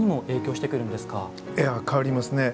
いや変わりますね。